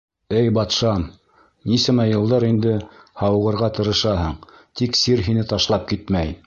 — Эй батшам, нисәмә йылдар инде һауығырға тырышаһың, тик сир һине ташлап китмәй.